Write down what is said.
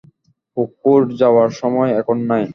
পুকুর যাওয়ার সময় এখন নাই।